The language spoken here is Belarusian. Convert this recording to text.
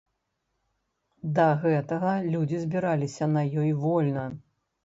Да гэтага людзі збіраліся на ёй вольна.